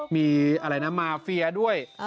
มีมาเฟียด้วย